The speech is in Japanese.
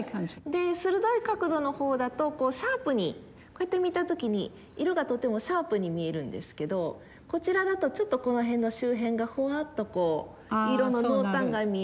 で鋭い角度の方だとこうシャープにこうやって見た時に色がとてもシャープに見えるんですけどこちらだとちょっとこの辺の周辺がほわっとこう色の濃淡が見える。